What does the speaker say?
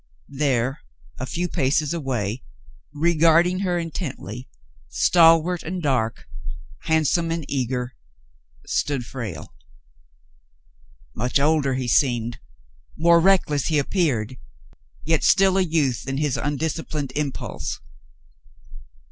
There, a few paces away, regarding her intently, stalwart and dark, handsome and eager, stood Frale. Much older he seemed, more reckless he appeared, yet still a youth in his undisciplined impulse.